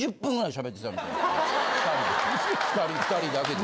２人で２人だけで。